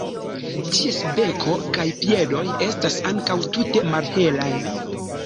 Ties beko kaj piedoj estas ankaŭ tute malhelaj.